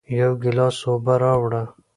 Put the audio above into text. یو گیلاس اوبه راوړه